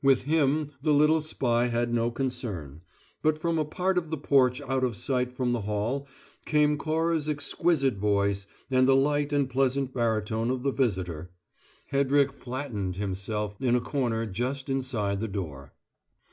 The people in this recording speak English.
With him the little spy had no concern; but from a part of the porch out of sight from the hall came Cora's exquisite voice and the light and pleasant baritone of the visitor. Hedrick flattened himself in a corner just inside the door.